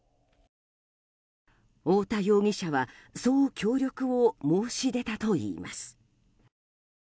太田容疑者は、そう協力を申し出たといいます。